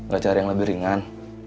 gak cari yang lebih ringan